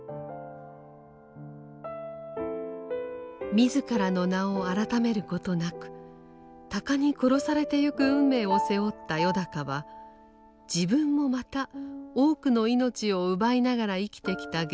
自らの名を改めることなく鷹に殺されてゆく運命を背負ったよだかは自分もまた多くの命を奪いながら生きてきた現実に苦しみます。